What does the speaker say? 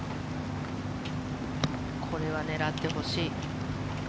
これは狙ってほしい。